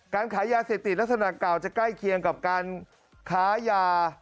การขายยาเสพติดลักษณะเก่าจะใกล้เคียงกับการค้ายา